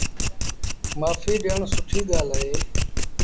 مآڦيٚ ڏيڻ سُٺيٚ ڳآل اهي۔